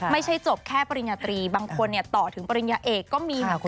ไม่ใช่จบแค่ปริญญาตรีบางคนต่อถึงปริญญาเอกก็มีนะคุณ